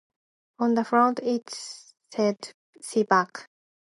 On the front it said "see back".